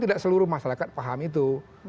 tidak seluruh masyarakat paham itu